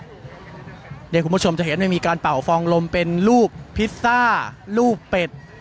คุณผู้ชมจะเห็นมีการเป่าฟองลมเป็นรูปพิซซ่ารูปเป็ด